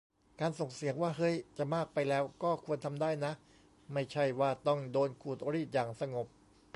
การส่งเสียงว่า "เฮ้ย จะมากไปแล้ว" ก็ควรทำได้นะ ไม่ใช่ว่าต้องโดนขูดรีดอย่างสงบ